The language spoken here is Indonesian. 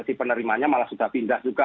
si penerimanya malah sudah pindah juga